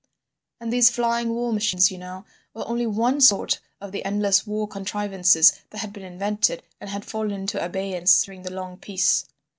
And these flying war machines, you know, were only one sort of the endless war contrivances that had been invented and had fallen into abeyance during the long peace.